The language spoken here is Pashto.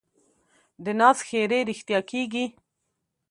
د ناز ښېرې رښتیا کېږي.